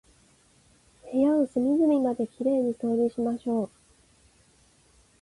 部屋を隅々まで綺麗に掃除しましょう。